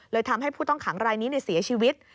เลยทำให้ผู้ต้องขังรายนี้เนี่ยเสียชีวิต